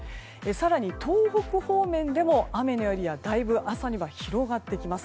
更に東北方面でも雨のエリアが朝には、だいぶ広がってきます。